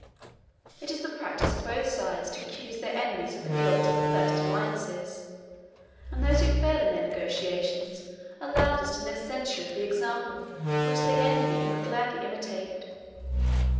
It is the practice of both sides to accuse their enemies of the guilt of the first alliances; and those who fail in their negotiations are loudest in their censure of the example which they envy and would gladly imitate.